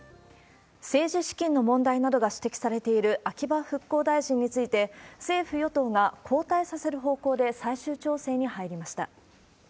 政治資金の問題などが指摘されている秋葉復興大臣について、政府・与党が交代させる方向で最終調整に入りました。